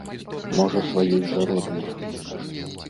Можа сваіх жа родных.